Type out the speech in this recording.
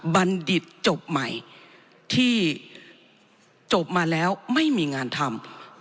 บัณฑิตจบใหม่ที่จบมาแล้วไม่มีงานทำ